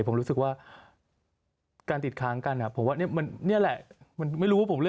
ผมรู้สึกว่าการติดค้างกันผมว่าเนี่ยแหละ